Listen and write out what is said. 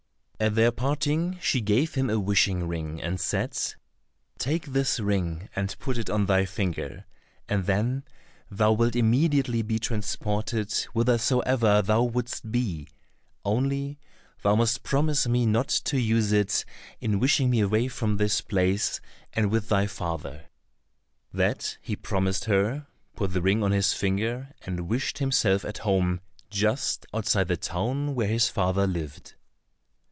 At their parting she gave him a wishing ring, and said, "Take this ring and put it on thy finger, and then thou wilt immediately be transported whithersoever thou wouldst be, only thou must promise me not to use it in wishing me away from this place and with thy father." That he promised her, put the ring on his finger, and wished himself at home, just outside the town where his father lived.